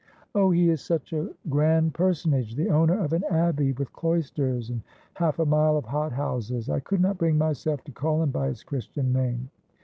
' Oh, he is such a grand personage — the owner of an abbey, with cloisters, and half a mile of hot houses — I could not bring myself to call him by his christian name.'